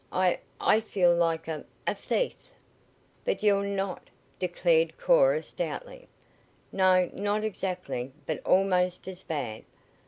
I I feel like a a thief!" "But you're not!" declared Cora stoutly. "No, not exactly, but almost as bad.